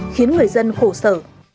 khiến người dân khổ sở